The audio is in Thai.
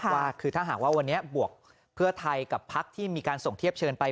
ว่าคือถ้าหากว่าวันนี้บวกเพื่อไทยกับพักที่มีการส่งเทียบเชิญไป